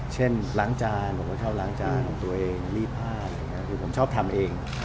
เช่นล้างจานผมก็ชอบล้างจานของตัวเองลีบผ้าผมชอบทำเอง